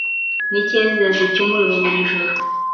n'icyezezi cy'umuriro buri joro